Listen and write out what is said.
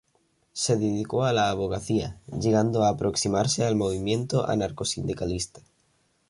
Se dedicó a la abogacía, llegando a aproximarse al movimiento anarcosindicalista.